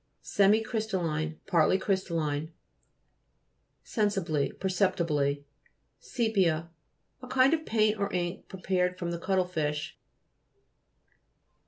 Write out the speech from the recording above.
SEMICRT'STALLINE Partly crystal line. SENSIBLY Perceptibly. SE'PIA A kind of paint or ink pre pared from the cuttle fish.